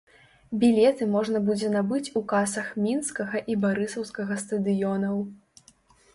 Білеты можна будзе набыць у касах мінскага і барысаўскага стадыёнаў.